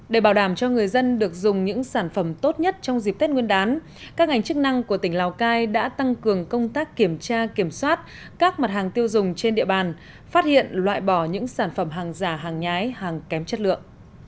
để bảo đảm cho người dân được dùng những sản phẩm tốt nhất trong dịp tết nguyên đán các ngành chức năng của tỉnh lào cai đã tăng cường công tác kiểm tra kiểm soát các mặt hàng tiêu dùng trên địa bàn phát hiện loại bỏ những sản phẩm hàng giả hàng nhái hàng kém chất lượng